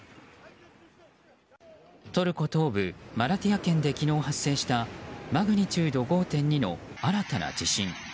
トルコ東部マラティヤ県で昨日発生したマグニチュード５．２の新たな地震。